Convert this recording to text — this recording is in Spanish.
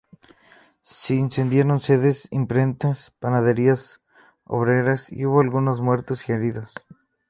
Se incendiaron sedes, imprentas, panaderías obreras y hubo algunos muertos y heridos.